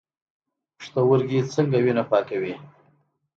پښتورګي څنګه وینه پاکوي؟